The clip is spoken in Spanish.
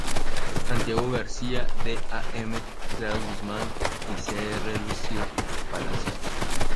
Santiago-García, D., A. M. Claros-Guzmán y C. R. Lucio-Palacio.